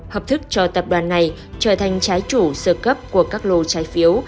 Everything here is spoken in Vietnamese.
hợp thức cho tập đoàn này trở thành trái chủ sơ cấp của các lô trái phiếu